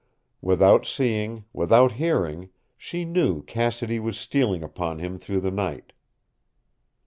Without seeing, without hearing, she knew Cassidy was stealing upon him through the night.